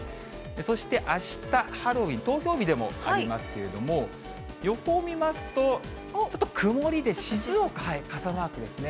そしてあしたハロウィーン、投票日でもありますけれども、予報見ますと、ちょっと曇りで静岡傘マークですね。